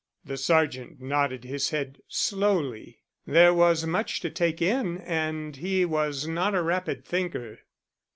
The sergeant nodded his head slowly. There was much to take in, and he was not a rapid thinker.